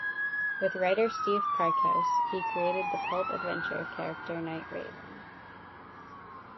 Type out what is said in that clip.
With writer Steve Parkhouse, he created the pulp adventure character Night Raven.